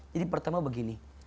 jadi pertama begini